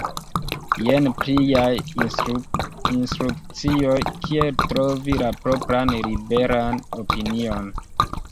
Jen pliaj instrukcioj kiel trovi la propran liberan opinion!